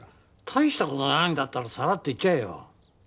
大した事ないんだったらさらっと言っちゃえよ。